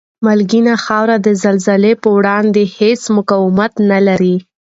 مالګینې خاورې د زلزلې په وړاندې هېڅ مقاومت نلري؟